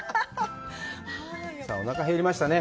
さあ、おなか減りましたね。